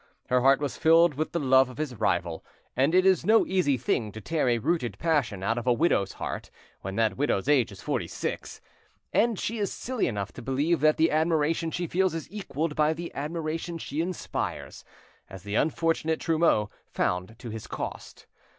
Her heart was filled with the love of his rival, and it is no easy thing to tear a rooted passion out of a widow's heart when that widow's age is forty six, and she is silly enough to believe that the admiration she feels is equalled by the admiration she inspires, as the unfortunate Trumeau found to his cost.